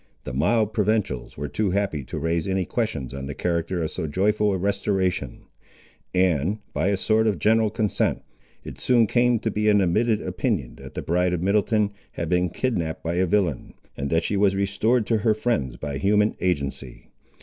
The mild provincials were too happy to raise any questions on the character of so joyful a restoration; and, by a sort of general consent, it soon came to be an admitted opinion that the bride of Middleton had been kidnapped by a villain, and that she was restored to her friends by human agency.